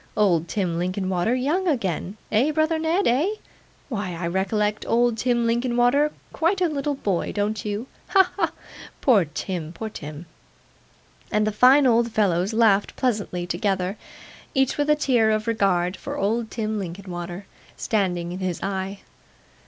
Old Tim Linkinwater young again! Eh, brother Ned, eh? Why, I recollect old Tim Linkinwater quite a little boy, don't you? Ha, ha, ha! Poor Tim, poor Tim!' And the fine old fellows laughed pleasantly together: each with a tear of regard for old Tim Linkinwater standing in his eye.